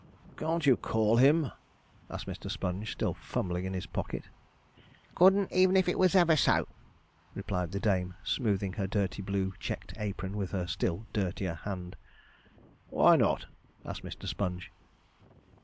'Can't you call him?' asked Mr. Sponge, still fumbling in his pocket. 'Couldn't, if it was ever so,' replied the dame, smoothing her dirty blue checked apron with her still dirtier hand. 'Why not?' asked Mr. Sponge.